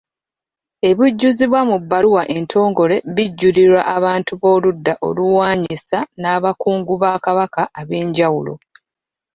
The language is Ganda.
Ebijjuzibwa mu bbaluwa entongole bijulirwa abantu b’oludda oluwaanyisa n'abakungu ba Kabaka ab'enjawulo.